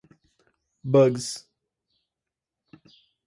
bugs